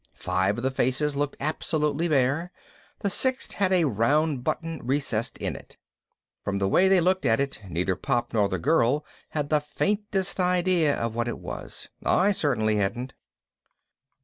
Five of the faces looked absolutely bare. The sixth had a round button recessed in it. From the way they looked at it neither Pop nor the girl had the faintest idea of what it was. I certainly hadn't.